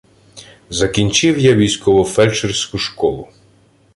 Закінчив я військово-фельдшерську школу.